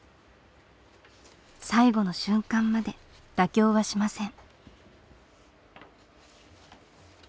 最後の瞬間まで妥協はしません。